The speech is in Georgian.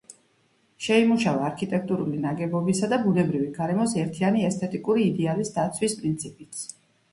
შეიმუშავა არქიტექტურული ნაგებობისა და ბუნებრივი გარემოს ერთიანი ესთეტიკური იდეალის დაცვის პრინციპიც.